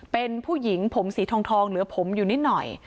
เป็นผู้หญิงผมสีทองเหลือผมอยู่นิดหน่อย